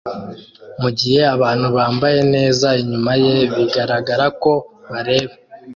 Mugihe abantu bambaye neza inyuma ye bigaragara ko bareba